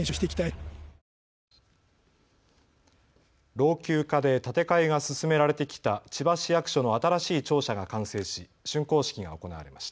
老朽化で建て替えが進められてきた千葉市役所の新しい庁舎が完成し竣工式が行われました。